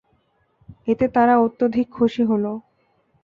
এতে তারা অত্যধিক খুশী হল।